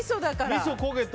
みそ焦げた。